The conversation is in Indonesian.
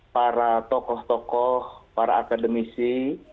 para tokoh tokoh para akademisi